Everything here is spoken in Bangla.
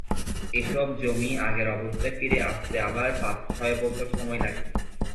এসব জমি আগের অবস্থায় ফিরে আসতে আবার পাঁচ-ছয় বছর সময় লাগে।